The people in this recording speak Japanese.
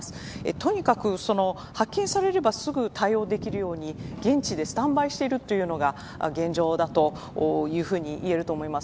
とにかく、発見されればすぐ対応できるように現地でスタンバイしているというのが現状だというふうにいえると思います。